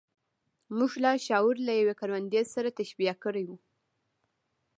موږ لاشعور له يوې کروندې سره تشبيه کړی و.